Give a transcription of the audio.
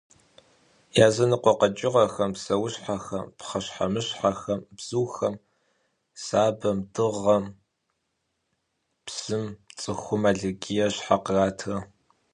Языныкъуэ къэкӏыгъэхэм, псэущхьэхэм, пхъэщхьэмыщхьэхэм, бзухэм, сабэм, дыгъэм, псым цӏыхум аллергие щхьэ къратрэ?